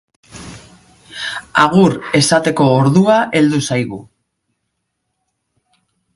Agur esateko ordua heldu zaigu.